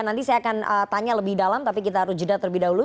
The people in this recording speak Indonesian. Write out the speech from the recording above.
nanti saya akan tanya lebih dalam tapi kita harus jeda terlebih dahulu